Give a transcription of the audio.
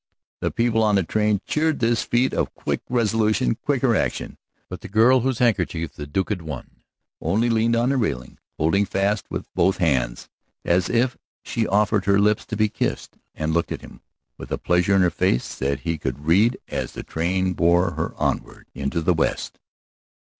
The people on the train end cheered this feat of quick resolution, quicker action. But the girl whose handkerchief the Duke had won only leaned on the railing, holding fast with both hands, as if she offered her lips to be kissed, and looked at him with a pleasure in her face that he could read as the train bore her onward into the West.